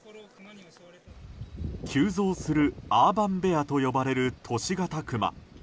急増するアーバン・ベアと呼ばれる都市型クマ。